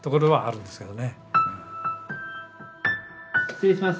失礼します。